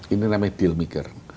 ini namanya dealmaker